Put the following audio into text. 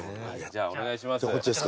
じゃあお願いします。